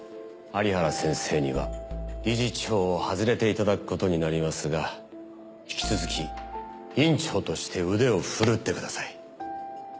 有原先生には理事長を外れていただくことになりますが引き続き院長として腕をふるってください。